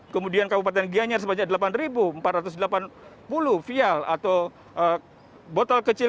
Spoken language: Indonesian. kemudian kabupaten gianyar sebanyak delapan empat ratus delapan puluh vial atau botol kecil